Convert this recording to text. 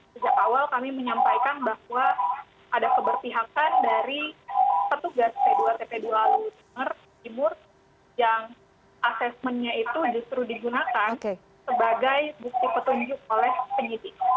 sejak awal kami menyampaikan bahwa ada keberpihakan dari petugas p dua tp dua lumer timur yang asesmennya itu justru digunakan sebagai bukti petunjuk oleh penyidik